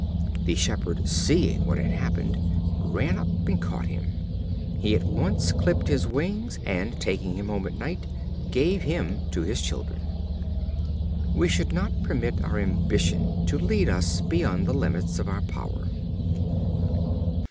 The shepherd, seeing what had happened, ran up and caught him. He at once clipped his wings, and, taking him home at night, gave him to his children. We should not permit our ambition to lead us beyond the limits of our power.